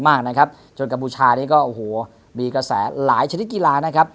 จนกับกำพูชานี้มีกระแสหลายชนิดกีฬา